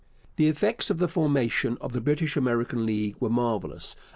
The effects of the formation of the British America League were marvellous.